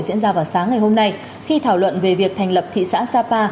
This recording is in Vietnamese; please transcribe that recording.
diễn ra vào sáng ngày hôm nay khi thảo luận về việc thành lập thị xã sapa